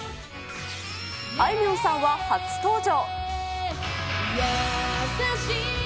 あいみょんさんは初登場。